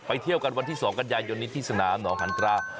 เที่ยวกันวันที่๒กันยายนนี้ที่สนามหนองหันตรา